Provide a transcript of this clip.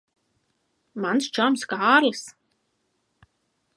Mans čoms Kārlis.